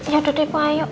yaudah deh ibu ayo